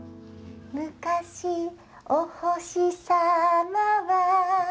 「むかしおほしさまは」